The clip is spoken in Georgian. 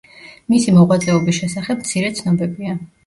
მისი მოღვაწეობის შესახებ მცირე ცნობებია.